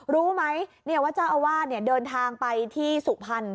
รู้ไหมว่าเจ้าอาวาสเดินทางไปที่สุพรรณ